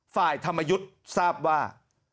ฝ่ายธรรมยุทธ์ทราบว่า